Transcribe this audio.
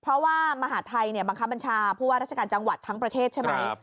เพราะว่ามหาดไทยเนี่ยบังคับบัญชาผู้ว่าราชการทั้งประเทศใช่มั้ย